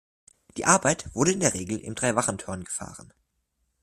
Die Arbeit wurde in der Regel im Dreiwachen-Törn gefahren.